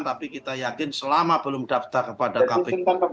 tapi kita yakin selama belum daftar kepada kpk